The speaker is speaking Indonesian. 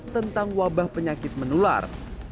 tentang wabah penyakit menular